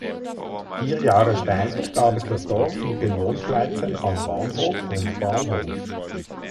Vier Jahre später gab es das Dorf mit den Wohnplätzen "Am Bahnhof" und "Bahnhof".